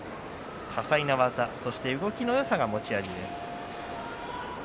多彩な技、そして動きのよさが持ち味です。